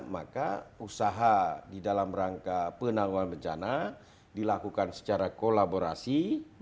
maka usaha di dalam rangka penanggulan bencana dilakukan secara kolaborasi